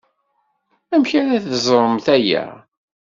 Amek ara teẓremt aya?